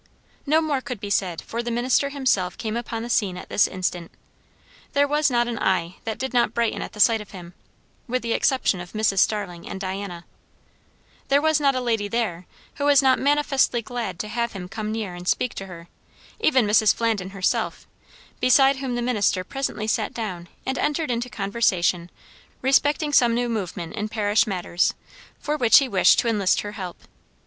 No more could be said, for the minister himself came upon the scene at this instant. There was not an eye that did not brighten at the sight of him, with the exception of Mrs. Starling and Diana; there was not a lady there who was not manifestly glad to have him come near and speak to her; even Mrs. Flandin herself, beside whom the minister presently sat down and entered into conversation respecting some new movement in parish matters, for which he wished to enlist her help.